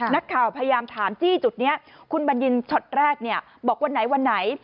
นักข่าวพยายามถามจี้จุดนี้คุณบัญญินช็อตแรกเนี่ยบอกวันไหนวันไหน